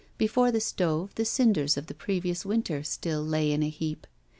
Before the stove the cinders of the previous winter still lay in a heap.